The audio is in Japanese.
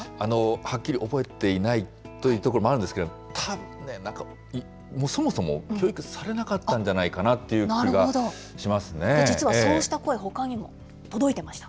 はっきり覚えていないというところもあるんですけれども、たぶんね、なんかそもそも、教育されなかったんじゃないかなという実はそうした声、ほかにも届いていました。